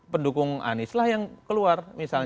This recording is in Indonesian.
pendukung anis lah yang keluar